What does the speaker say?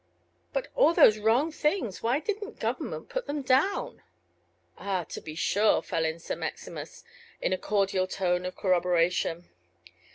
"But all those wrong things, why didn't government put them down?" "Ah, to be sure," fell in Sir Maximus, in a cordial tone of corroboration.